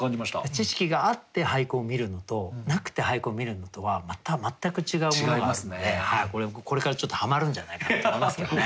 知識があって俳句を見るのとなくて俳句を見るのとはまた全く違うものがあるのでこれからはまるんじゃないかと思いますけどね。